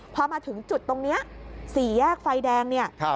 พอมาถึงจุดตรงนี้สี่แยกไฟแดงเนี่ย